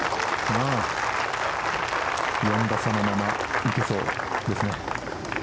４打差のまま、いけそうですね。